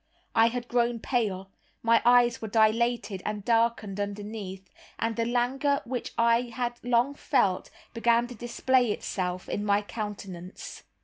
I had grown pale, my eyes were dilated and darkened underneath, and the languor which I had long felt began to display itself in my countenance.